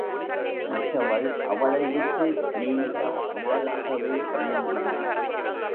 மற்றவள் அவளை விட்டு நீங்கா நிழலாகவே இயங்கினாள்.